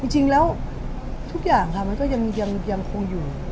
จริงแล้วทุกอย่างค่ะมันก็ยังคงอยู่